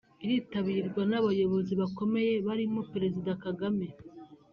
iritabirwa n’abayobozi bakomeye barimo Perezida Kagame